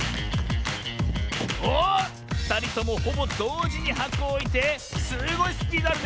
ふたりともほぼどうじにはこをおいてすごいスピードあるね！